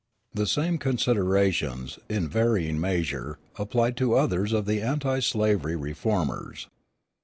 The same considerations, in varying measure, applied to others of the anti slavery reformers.